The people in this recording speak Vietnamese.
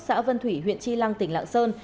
xã vân thủy huyện chi lăng tỉnh lạng sơn